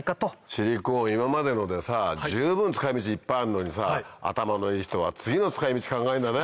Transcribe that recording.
シリコーン今までので十分使い道いっぱいあんのに頭のいい人は次の使い道考えんだね。